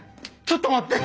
ちょっと待って。